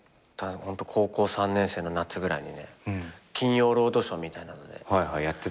高校３年生の夏ぐらいに『金曜ロードショー』みたいなのでやってて。